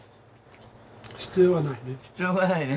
必要はないね。